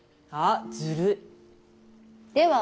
あっずるい。